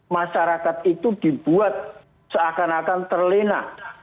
masyarakat itu dibuat seakan akan terlena